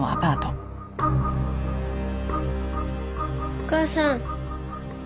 お母さん。